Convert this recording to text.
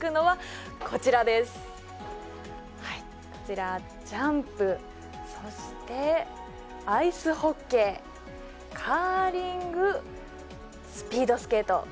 はいこちらジャンプそしてアイスホッケーカーリングスピードスケート